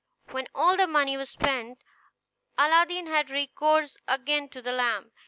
When all the money was spent, Aladdin had recourse again to the lamp.